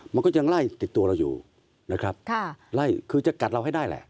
มันก็ยังไล่ติดตัวเราอยู่คือจะกัดเราให้ได้แหละ